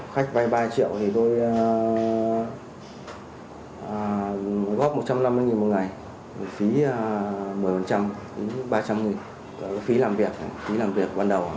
khách vai ba triệu thì tôi góp một trăm năm mươi đồng một ngày phí một mươi phí ba trăm linh đồng phí làm việc